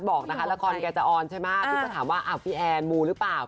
บอกละครแกจะออนถ้าถามว่าแอนมูรึเปล่า